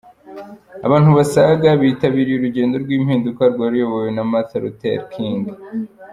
Abantu basaga , bitabiriye urugendo rw’impinduka rwari ruyobowe na Martin Luther King, Jr.